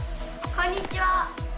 こんにちは！